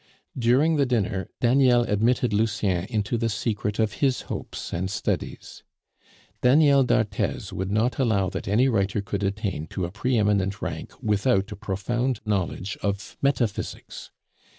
During the dinner Daniel admitted Lucien into the secret of his hopes and studies. Daniel d'Arthez would not allow that any writer could attain to a pre eminent rank without a profound knowledge of metaphysics.